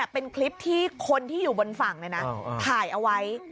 เป็นคลิปที่คนที่อยู่บนฝั่งถ่ายเอาไว้